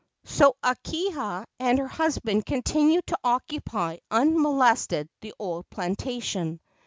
So Akahia and her husband continued to occupy unmolested the old plantation.